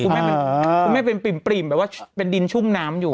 คุณแม่เป็นปริ่มแบบว่าเป็นดินชุ่มน้ำอยู่